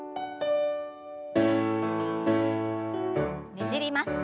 ねじります。